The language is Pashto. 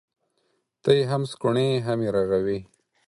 ته يې هم سکڼې ، هم يې رغوې.